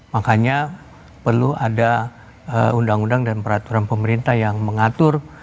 makanya perlu ada undang undang dan peraturan pemerintah yang mengatur